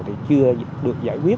thì chưa được giải quyết